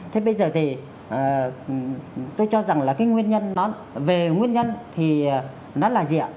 thế bây giờ thì tôi cho rằng là cái nguyên nhân nó về nguyên nhân thì nó là gì ạ